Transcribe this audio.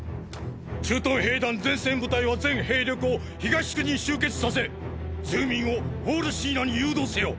駐屯兵団前線部隊は全兵力を東区に集結させ住民をウォール・シーナに誘導せよ！！